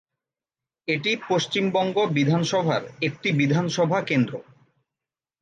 এটি পশ্চিমবঙ্গ বিধানসভার একটি বিধানসভা কেন্দ্র।